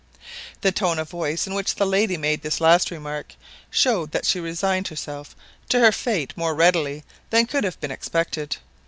The tone of voice in which the lady made this last remark showed that she resigned herself to her fate more readily than could have been expected.